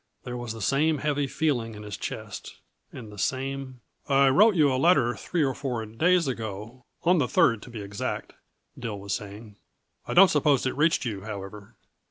There was the same heavy feeling in his chest, and the same "I wrote you a letter three or four days ago on the third, to be exact," Dill was saying. "I don't suppose it reached you, however.